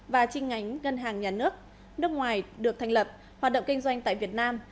và trinh ngánh ngân hàng nhà nước nước ngoài được thành lập hoạt động kinh doanh tại việt nam